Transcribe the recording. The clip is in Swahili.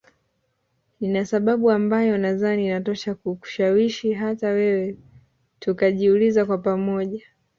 Nina sababu ambayo nadhani inatosha kukushawishi hata wewe tukajiuliza kwa pamoja